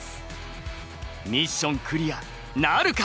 ミッションクリアなるか？